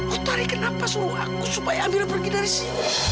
utari kenapa suruh aku supaya amira pergi dari sini